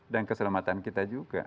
dan keselamatan kita juga